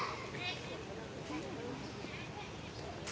สวัสดีครับทุกคน